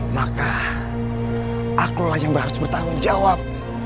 maka akulah yang harus bertanggung jawab